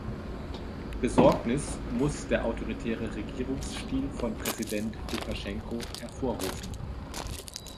Besorgnis muss der autoritäre Regierungsstil von Präsident Lukaschenko hervorrufen.